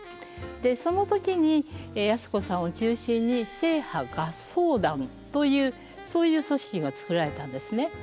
その時に靖子さんを中心に正派合奏団というそういう組織が作られたんですね。